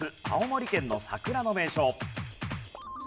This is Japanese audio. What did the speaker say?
青森県の桜の名所。